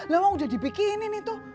lawang udah dibikinin itu